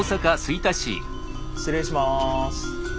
失礼します。